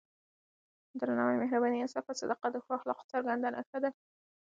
درناوی، مهرباني، انصاف او صداقت د ښو اخلاقو څرګندې نښې ګڼل کېږي.